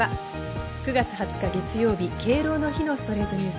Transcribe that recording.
９月２０日、月曜日、敬老の日の『ストレイトニュース』。